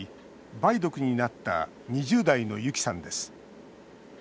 梅毒になった２０代のユキさんです。